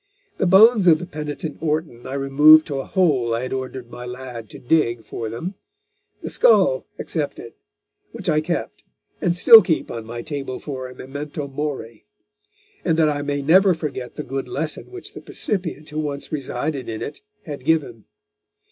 The bones of the penitent Orton I removed to a hole I had ordered my lad to dig for them; the skull excepted, which I kept, and still keep on my table for a memento mori; and that I may never forget the good lesson which the percipient who once resided in it had given.